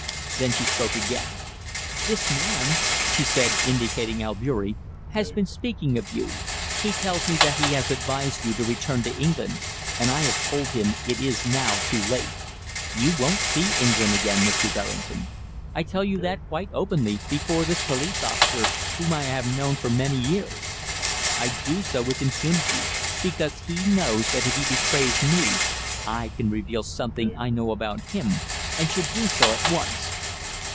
Then she spoke again: "This man," she said, indicating Albeury, "has been speaking of you. He tells me that he has advised you to return to England, and I have told him it is now too late. You won't see England again, Mr. Berrington I tell you that quite openly, before this police officer, whom I have known for many years. I do so with impunity because he knows that if he betrays me I can reveal something I know about him and should do so at once."